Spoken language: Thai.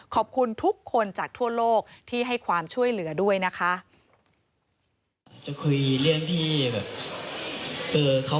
ขอบคุณทุกคนจากทั่วโลกที่ให้ความช่วยเหลือด้วยนะคะ